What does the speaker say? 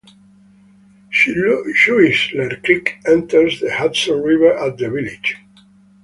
Schuyler Creek enters the Hudson River at the village.